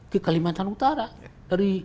ke kalimantan utara dari